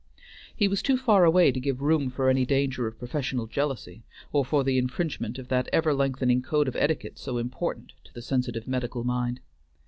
He was too far away to give room for any danger of professional jealousy, or for the infringement of that ever lengthening code of etiquette so important to the sensitive medical mind.